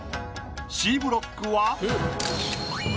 Ｃブロックは。